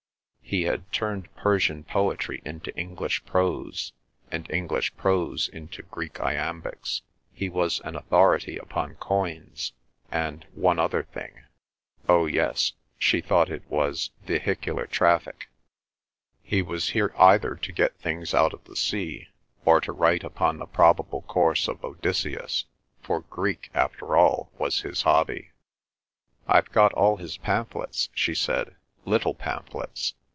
He had turned Persian poetry into English prose, and English prose into Greek iambics; he was an authority upon coins; and—one other thing—oh yes, she thought it was vehicular traffic. He was here either to get things out of the sea, or to write upon the probable course of Odysseus, for Greek after all was his hobby. "I've got all his pamphlets," she said. "Little pamphlets.